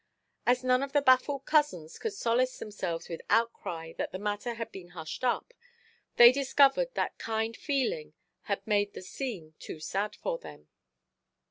As none of the baffled cousins could solace themselves with outcry that the matter had been hushed up, they discovered that kind feeling had made the scene too sad for them.